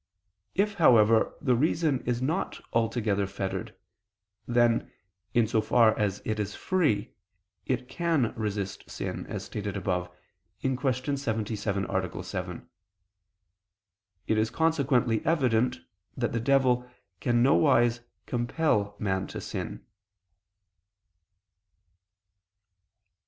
If, however, the reason is not altogether fettered, then, in so far as it is free, it can resist sin, as stated above (Q. 77, A. 7). It is consequently evident that the devil can nowise compel man to sin.